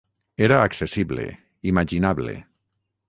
Era accessible, imaginable.